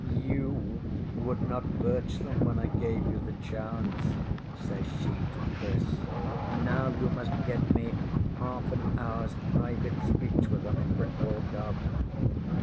ŌĆśŌĆ£YOU would not birch them when I gave you the chance, ŌĆØ says she to Chris. ŌĆ£Now you must get me half an hourŌĆÖs private speech with ŌĆśem in Brickwall garden.